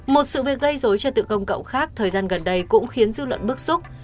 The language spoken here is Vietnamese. một sự việc gây rối cho tự công cậu khác thời gian gần đây cũng khiến dư luận bức xúc